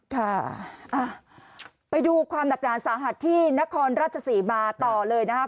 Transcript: ค่ะไปดูความหนักหนาสาหัสที่นครราชศรีมาต่อเลยนะครับ